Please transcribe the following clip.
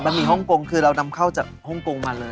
หมี่ฮ่องกงคือเรานำเข้าจากฮ่องกงมาเลย